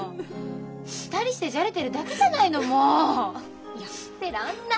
２人してじゃれてるだけじゃないのもう！やってらんない。